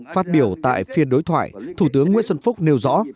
phát biểu tại phiên đối thoại thủ tướng nguyễn xuân phúc nêu rõ